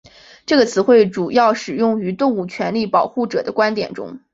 这个词汇主要使用于动物权利保护者的观点中。